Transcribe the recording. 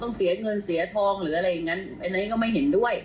เสียเงินเสียทองหรืออะไรอย่างงั้นอันนี้ก็ไม่เห็นด้วย